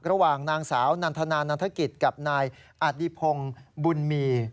ระหว่างนางสาวนันทนานันทกิจกับนายอดิพงศ์บุญมี